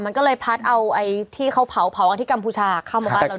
มันก็เลยพัดเอาไอ้ที่เขาเผากันที่กัมพูชาเข้ามาบ้านเรา